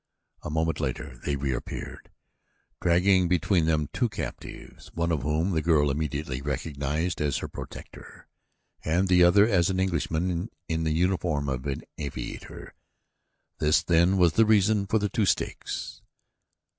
A moment later they reappeared, dragging between them two captives, one of whom the girl immediately recognized as her protector and the other as an Englishman in the uniform of an aviator. This, then, was the reason for the two stakes.